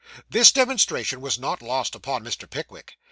This demonstration was not lost upon Mr. Pickwick.